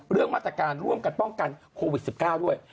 เรื่องมาตรการร่วมกันป้องกันโควิด๑๙ด้วย